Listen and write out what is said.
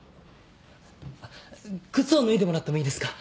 靴を脱いでもらってもいいですか？